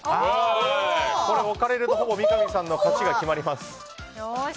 置かれると三上さんの勝ちが決まります。